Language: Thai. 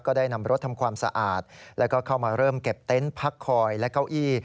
ได้นำรถทำความสะอาดแล้วก็เข้ามาเริ่มเก็บเต็นต์พักคอยและเก้าอี้